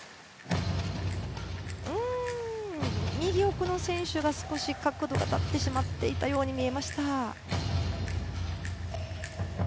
右奥の選手が少し角度が立ってしまっていたように感じました。